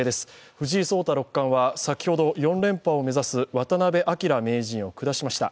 藤井聡太六冠は先ほど４連覇を目指す渡辺明名人を下しました。